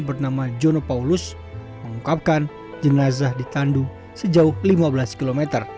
bernama jono paulus mengungkapkan jenazah ditandu sejauh lima belas km